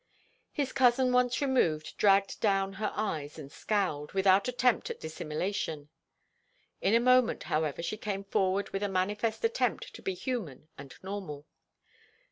His cousin once removed dragged down her eyes and scowled, without attempt at dissimulation. In a moment, however, she came forward with a manifest attempt to be human and normal.